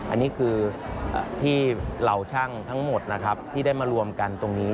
อันนี้คือที่เหล่าช่างทั้งหมดนะครับที่ได้มารวมกันตรงนี้